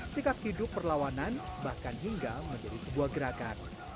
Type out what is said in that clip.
sikap hidup perlawanan bahkan hingga menjadi sebuah gerakan